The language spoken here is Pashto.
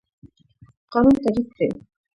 قانون تعریف کړئ.